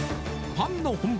パンの本場